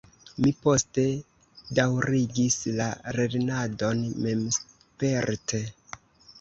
Mi poste daŭrigis la lernadon memsperte.